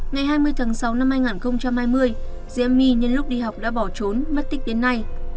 ngày hai mươi tháng sáu năm hai nghìn hai mươi diễm my nhân lúc đi học đã bỏ trốn mất tích đến nay